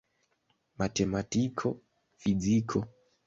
Matematiko, fiziko.